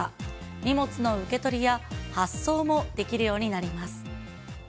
荷物の受け取りや発送もできるようになります。